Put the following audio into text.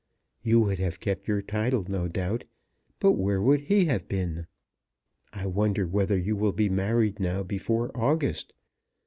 You would have kept your title no doubt; but where would he have been? I wonder whether you will be married now before August.